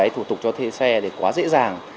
thủ tục cho thuê xe quá dễ dàng